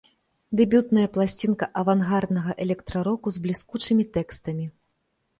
Дэбютная пласцінка авангарднага электра-року з бліскучымі тэкстамі.